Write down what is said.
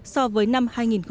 so với năm hai nghìn một mươi năm